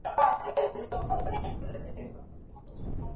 Uchafuzi huu unaweza kupitishwa Waathirika wakuu wa uchafuzi huu